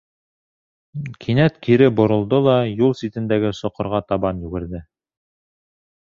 Кинәт кире боролдо ла юл ситендәге соҡорға табан йүгерҙе.